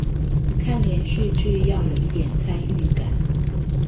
看連續劇要有一點參與感